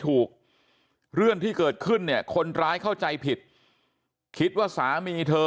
เรื่องที่เกิดขึ้นเนี่ยคนร้ายเข้าใจผิดคิดว่าสามีเธอ